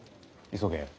急げ。